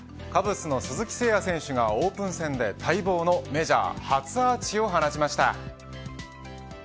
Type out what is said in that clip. カブスの鈴木誠也選手がオープン戦で待望のメジャー初アーチを放ちました。